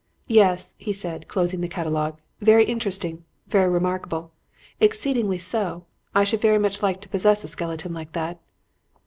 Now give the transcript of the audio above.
'Yes,' he said, closing the catalogue, 'very interesting, very remarkable. Exceedingly so. I should very much like to possess a skeleton like that.'